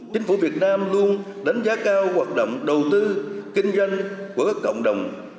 chính phủ việt nam luôn đánh giá cao hoạt động đầu tư kinh doanh của các cộng đồng